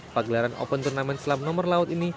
pagelaran open turnamen selam nomor laut ini